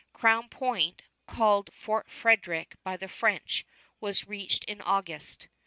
Crown Point called Fort Frederick by the French was reached in August.